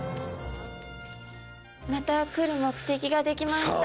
また来る目的ができました。